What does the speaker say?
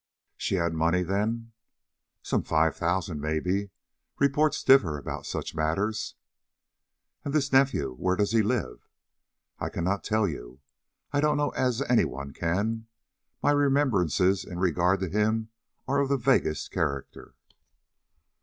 "She had money, then?" "Some five thousand, maybe. Reports differ about such matters." "And this nephew, where does he live?" "I cannot tell you. I don't know as any one can. My remembrances in regard to him are of the vaguest character."